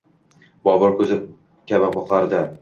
Bobur koʻzi kabi boqardi.